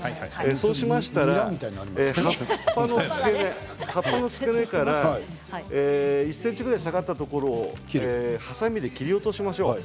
そうしましたら葉っぱの付け根から１ｃｍぐらい下がったところをはさみで切り落としましょう。